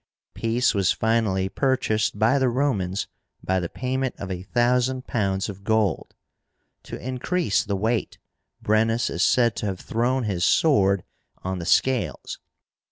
Peace was finally purchased by the Romans by the payment of a thousand pounds of gold. To increase the weight, Brennus is said to have thrown his sword on the scales.